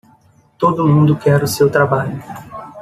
Todo mundo quer o seu trabalho.